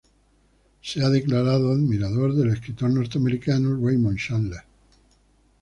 Se ha declarado admirador del escritor norteamericano Raymond Chandler.